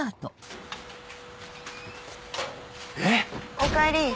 おかえり。